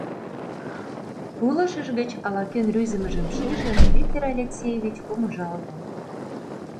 Пулышыж гыч ала-кӧн рӱзымыжым шижын, Виктор Алексеевич помыжалте.